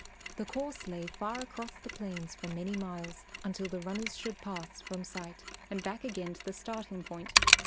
The course lay far across the plains for many miles until the runners should pass from sight, and back again to the starting point.